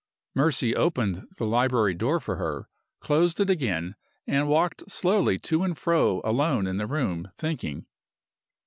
Mercy opened the library door for her, closed it again, and walked slowly to and fro alone in the room, thinking.